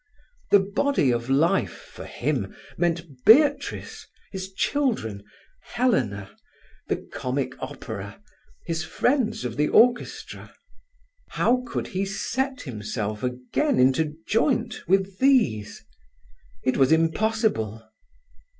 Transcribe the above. The body of life for him meant Beatrice, his children, Helena, the Comic Opera, his friends of the orchestra. How could he set himself again into joint with these? It was impossible.